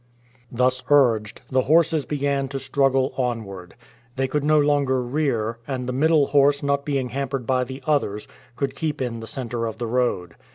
Thus urged, the horses began to struggle onward. They could no longer rear, and the middle horse not being hampered by the others, could keep in the center of the road.